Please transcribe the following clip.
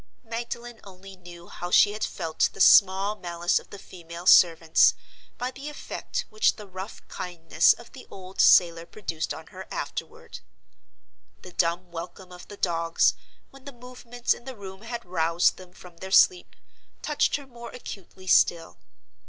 Magdalen only knew how she had felt the small malice of the female servants, by the effect which the rough kindness of the old sailor produced on her afterward. The dumb welcome of the dogs, when the movements in the room had roused them from their sleep, touched her more acutely still.